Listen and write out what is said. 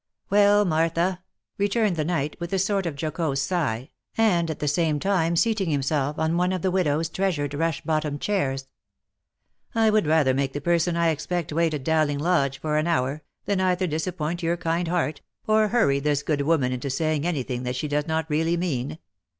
" Well, Martha !" returned the knight with a sort of jocose sigh, and at the same time seating himself on one of the widow's treasured rush bottomed chairs, " I would rather make the person I expect wait at Dowling Lodge for an hour, than either disappoint your kind heart, or hurry this good woman into saying any thing that she does not really mean.